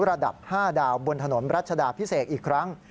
ระดับ๕ดาวบนถนนรัชดาพิเศษอีกครั้ง